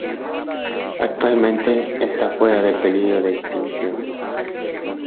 Actualmente está fuera de peligro de extinción.